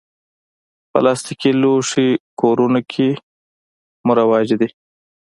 پلاستيکي لوښي کورونو کې مروج دي.